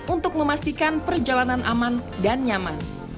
untuk memastikan perjalanan aman dan nyaman